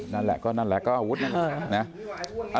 นั่นแหละก็นั่นแหละก็อาวุธนั่นแหละนะ